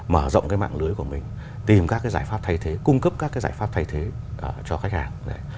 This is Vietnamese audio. mở rộng cái mạng lưới của mình tìm các cái giải pháp thay thế cung cấp các cái giải pháp thay thế cho khách hàng